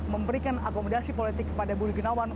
memberikan akomodasi politik kepada budi gunawan